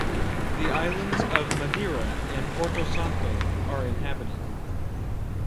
The islands of Madeira and Porto Santo are inhabited.